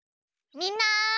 みんな！